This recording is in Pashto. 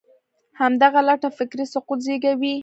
همدغه لټه فکري سقوط زېږوي.